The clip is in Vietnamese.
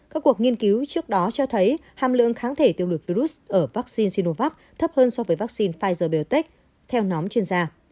các cuộc nghiên cứu trước đó cho thấy hàm lượng kháng thể tiêu lùi virus ở vaccine sinovac thấp hơn so với vaccine pfizer biontech theo nhóm chuyên gia